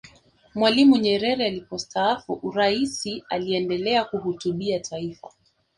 mwalimu nyerere alipostaafu uraisi aliendelea kuhutubia taifa